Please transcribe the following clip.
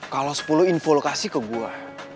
kalau sepuluh info lo kasih ke gue